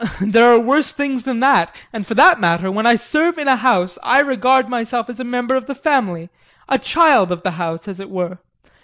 JEAN. There are worse things than that, and for that matter when I serve in a house I regard myself as a member of the family, a child of the house as it were.